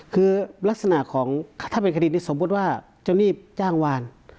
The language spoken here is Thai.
คือลักษณะของถ้าเป็นคดีนี้สมมุติว่าเจ้าหนี้จ้างวาน